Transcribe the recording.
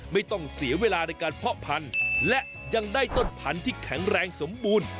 ไม่ต้องเสียเวลาในการเพาะพันธุ์และยังได้ต้นพันธุ์ที่แข็งแรงสมบูรณ์